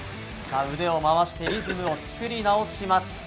腕を回してリズムを作り直します。